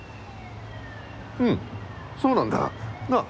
うんそうなんだ。なあ？